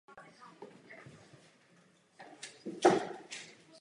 Místo krátké plavby zvolil cestu po souši.